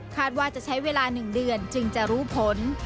ว่าจะใช้เวลา๑เดือนจึงจะรู้ผล